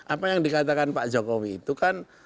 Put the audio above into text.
apa yang dikatakan pak jokowi itu kan